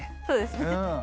そうですね。